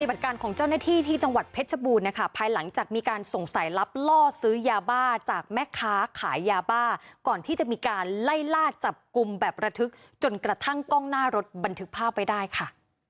การของเจ้าหน้าที่ที่จังหวัดเพชรชบูรณ์นะคะภายหลังจากมีการส่งสายลับล่อซื้อยาบ้าจากแม่ค้าขายยาบ้าก่อนที่จะมีการไล่ล่าจับกลุ่มแบบระทึกจนกระทั่งกล้องหน้ารถบันทึกภาพไว้ได้ค่ะ